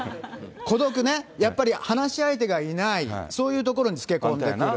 孤独ね、やっぱり話し相手がいない、そういうところにつけこんでくる。